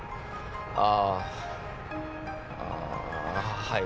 ああはい